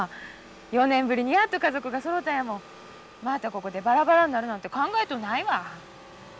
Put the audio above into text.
４年ぶりにやっと家族がそろったんやもんまたここでバラバラになるなんて考えとうないわ。